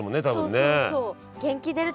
そうそうそう。